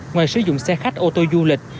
ngoài sử dụng xe khách ô tô du lịch